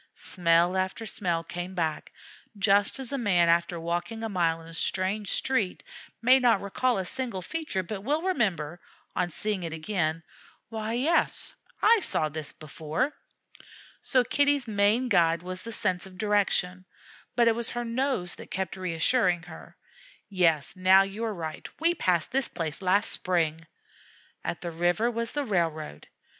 Smell after smell came back, just as a man after walking a mile in a strange street may not recall a single feature, but will remember, on seeing it again, "Why, yes, I saw that before." So Kitty's main guide was the sense of direction, but it was her nose that kept reassuring her, "Yes, now you are right we passed this place last spring." At the river was the railroad.